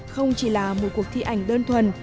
không chỉ là một cuộc thi ảnh đơn thuần